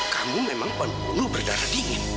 kamu memang pembunuh berdarah dingin